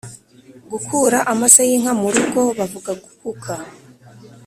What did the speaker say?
Gukura amase y’inka mu rugo bavuga gukuka